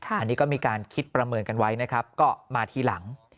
อันนี้ก็มีการคิดประเมินกันไว้นะครับก็มาทีหลัง